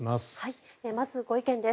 まず、ご意見です。